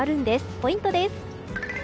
ポイントです。